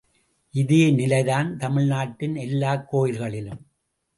இதேநிலைதான் தமிழ்நாட்டின் எல்லாக் கோயில்களிலும்.